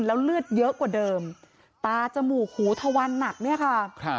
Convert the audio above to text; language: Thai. แล้วเลือดเยอะกว่าเดิมตาจมูกหูทะวันหนักเนี่ยค่ะ